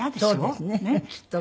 そうですねきっとね。